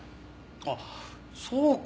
あっそうか！